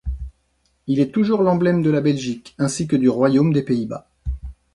Il est toujours l'emblème de la Belgique ainsi que du royaume des Pays-Bas.